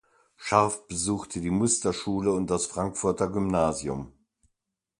Scharff besuchte die Musterschule und das Frankfurter Gymnasium.